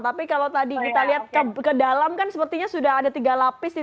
tapi kalau tadi kita lihat ke dalam kan sepertinya sudah ada tiga lapis